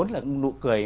là nụ cười